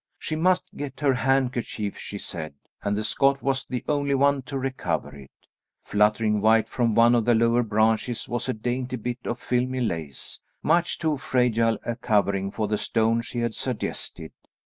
She must get her handkerchief, she said, and the Scot was the only one to recover it. Fluttering white from one of the lower branches was a dainty bit of filmy lace, much too fragile a covering for the stone she had suggested.